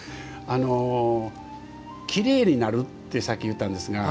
きれいになるとさっき言ったんですか。